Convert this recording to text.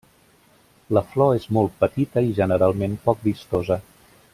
La flor és molt petita i generalment poc vistosa.